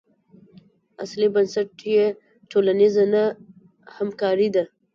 اصلي بنسټ یې ټولنیزه نه همکاري ده.